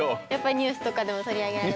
ニュースとかでも取り上げられてた。